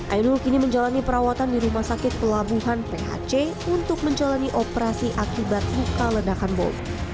ainul kini menjalani perawatan di rumah sakit pelabuhan phc untuk menjalani operasi akibat luka ledakan bom